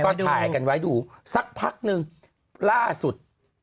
ก็ถ่ายกันไว้ดูสักพักนึงล่าสุด